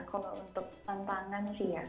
kalau untuk tantangan sih ya